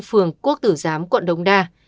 vườn quốc tử giám quận đông đa